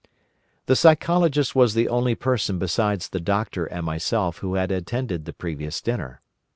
The Psychologist was the only person besides the Doctor and myself who had attended the previous dinner.